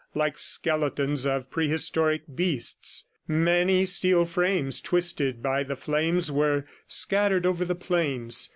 Like skeletons of prehistoric beasts, many steel frames twisted by the flames were scattered over the plains.